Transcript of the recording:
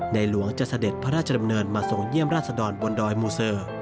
หลวงจะเสด็จพระราชดำเนินมาส่งเยี่ยมราชดรบนดอยมูเซอร์